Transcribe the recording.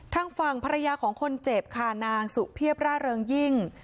ทางฝั่งภรรยาของคนเจ็บค่ะนางสุเพียบร่าเริงยิ่ง